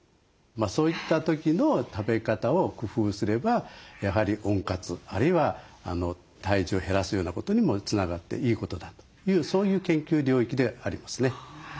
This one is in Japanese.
そういった時の食べ方を工夫すればやはり温活あるいは体重を減らすようなことにもつながっていいことだというそういう研究領域でありますね。